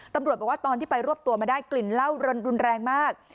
ตำรวจบอกว่าตอนที่ไปรวบตัวมาได้กลิ่นเหล้ารนรุนแรงมาก